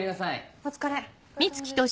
お疲れ。